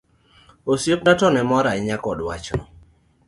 Osiepena to ne mor ahinya kod wachno.